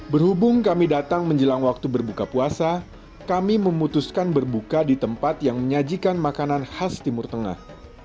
berhubung kami datang menjelang waktu berbuka puasa kami memutuskan berbuka di tempat yang menyajikan makanan khas timur tengah